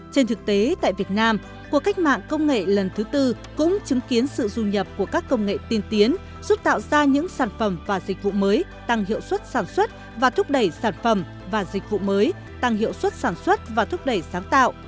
trên thực tế tại việt nam cuộc cách mạng công nghệ lần thứ tư cũng chứng kiến sự du nhập của các công nghệ tiên tiến giúp tạo ra những sản phẩm và dịch vụ mới tăng hiệu suất sản xuất và thúc đẩy sản phẩm và dịch vụ mới tăng hiệu suất sản xuất và thúc đẩy sáng tạo